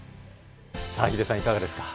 さあ、ヒデさん、いかがでしたか。